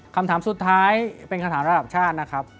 คำถามสุดท้ายเป็นคำถามระดับชาตินะครับ